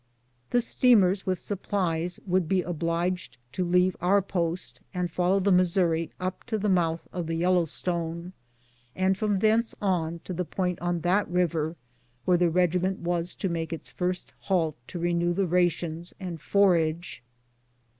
265 The steamers with supplies would be obliged to leave our post and follow the Missouri up to the mouth of the Yellowstone, and from thence on to the point on that river where the regiment was to make its first halt to renew the rations and forage.